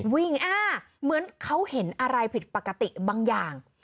เหมือนเขาเห็นอะไรผิดปกติบางอย่าง